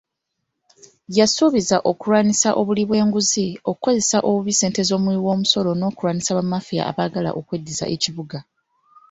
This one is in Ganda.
Yasuubizza okulwanyisa obuli bw'enguzi, okukozesa obubi ssente z'omuwi w'omusolo n'okulwanyisa bamaafiya abaagala okweddiza ekibuga.